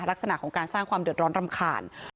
ลักษณะของการสร้างความเดือดร้อนรำคาญ